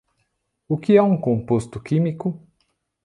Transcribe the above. O que é um composto químico?